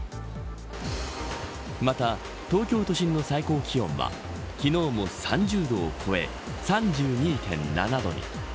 また、東京都心の最高気温は昨日も３０度を超え３２．７度に。